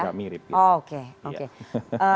agak mirip oke oke